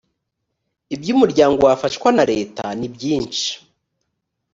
ibyo umuryango wafashwa na leta ni byinshi